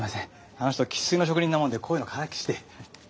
あの人生っ粋の職人なもんでこういうのからっきしで。